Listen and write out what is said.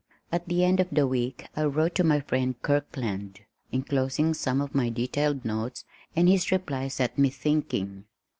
At the end of the week I wrote to my friend Kirkland, enclosing some of my detailed notes and his reply set me thinking.